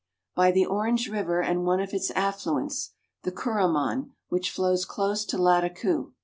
2^ " By the Orange River, and one of its affluents, the Kuru man, which flows close to Lattakoo."